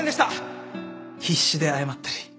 必死で謝ったり。